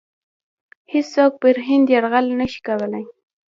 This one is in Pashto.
هیڅوک پر هند یرغل نه شي کولای.